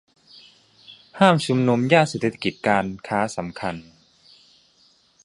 ห้ามชุมนุมย่านเศรษฐกิจการค้าสำคัญ